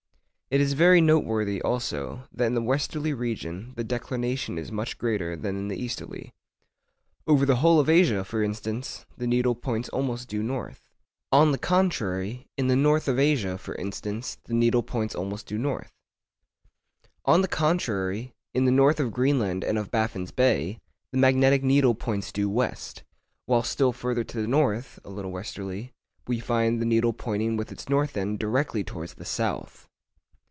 It is very noteworthy also, that in the westerly region the declination is much greater than in the easterly. Over the whole of Asia, for instance, the needle points almost due north. On the contrary, in the north of Greenland and of Baffin's Bay, the magnetic needle points due west; while still further to the north (a little westerly), we find the needle pointing with its north end directly towards the south.